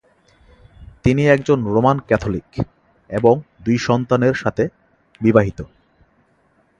তিনি একজন Roman Catholic এবং দুই সন্তানের সাথে বিবাহিত।